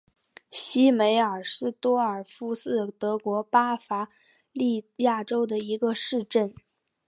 西梅尔斯多尔夫是德国巴伐利亚州的一个市镇。